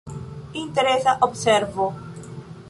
Interesa observo.